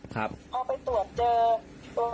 ครับพอไปตรวจเจอ